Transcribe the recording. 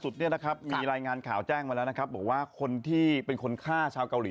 เนี่ยนะครับมีรายงานข่าวแจ้งมาแล้วนะครับบอกว่าคนที่เป็นคนฆ่าชาวเกาหลี